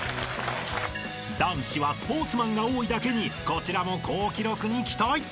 ［男子はスポーツマンが多いだけにこちらも好記録に期待！］